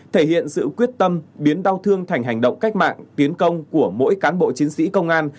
thể hiện sự quyết tâm biến đau thương thành hành động cách mạng tiến công của mỗi cán bộ chiến sĩ công an